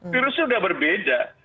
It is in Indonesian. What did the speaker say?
virusnya sudah berbeda